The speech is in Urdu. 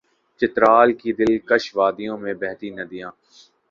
چترال کی دل کش وادی میں بہتی ندیاں